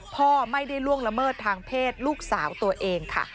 พ่อไม่ได้ล่วงละเมิดทางเพศลูกสาวตัวเองค่ะ